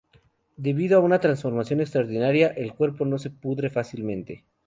Debido a una transformación extraordinaria, el cuerpo no se pudre fácilmente.